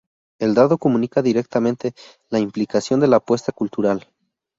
El dado comunica directamente la implicación de la apuesta cultural.